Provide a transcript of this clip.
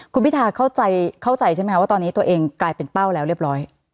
คุณพิทาเข้าใจใช่ไหมคะว่าตอนนี้ตัวเองกลายเป็นเป้าแล้วเรียบร้อย